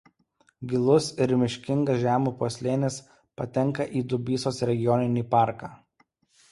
Gilus ir miškingas žemupio slėnis patenka į Dubysos regioninį parką.